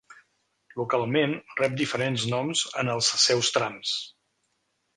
Localment rep diferents noms en els seus trams.